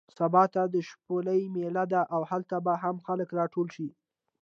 سبا ته د شپولې مېله ده او هلته به هم خلک راټول شي.